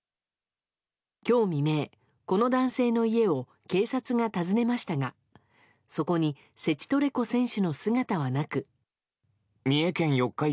今日未明、この男性の家を警察が訪ねましたがそこにセチトレコ選手の姿はなく。